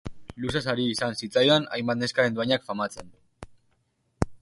Luzaz ari izan zitzaidan hainbat neskaren dohainak famatzen.